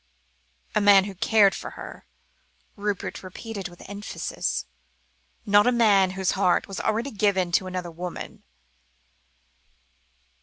"A man who cared for her," Rupert repeated with emphasis; "not a man whose whole heart was given to another woman."